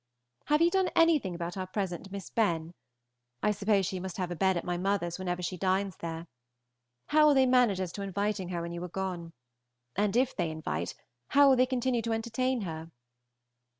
Have you done anything about our present to Miss Benn? I suppose she must have a bed at my mother's whenever she dines there. How will they manage as to inviting her when you are gone? and if they invite, how will they continue to entertain her?